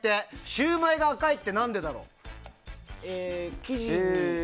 シューマイが赤いって何でだろう。